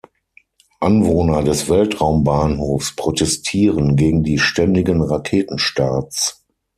Anwohner des Weltraumbahnhofs protestieren gegen die ständigen Raketenstarts.